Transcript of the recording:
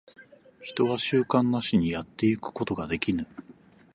人間は習慣なしにやってゆくことができぬ。